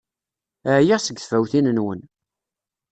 Ɛyiɣ seg tfawtin-nwen!